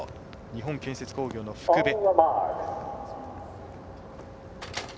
日本建設工業の福部。